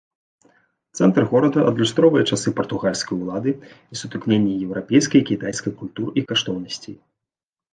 Цэнтр горада адлюстроўвае часы партугальскай улады і сутыкненне еўрапейскай і кітайскай культур і каштоўнасцей.